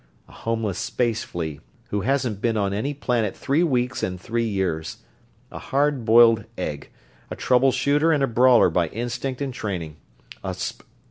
A homeless space flea who hasn't been on any planet three weeks in three years. A hard boiled egg. A trouble shooter and a brawler by instinct and training. A sp...."